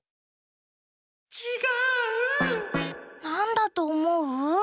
なんだとおもう？